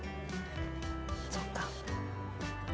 そっか。